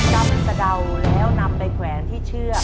กำเสด่าวแล้วนำไปแขวนที่เชื่อ